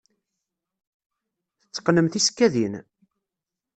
Tetteqqnem tisekkadin?